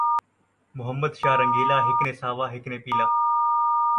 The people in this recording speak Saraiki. محمد شاہ رن٘گیلا ، ہکنے ساوا ، ہکنے پیلا